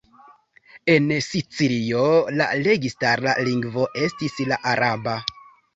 En Sicilio la registara lingvo estis la araba.